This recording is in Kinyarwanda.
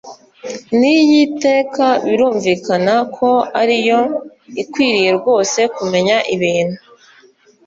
n iy iteka birumvikana ko ari yo ikwiriye rwose kumenya ibintu